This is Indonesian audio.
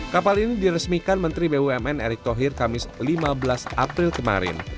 kapal ini diresmikan menteri bumn erick thohir kamis lima belas april kemarin